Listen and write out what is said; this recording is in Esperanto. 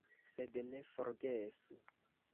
Sed ne forgesu!